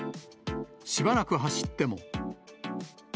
しばらく走っても。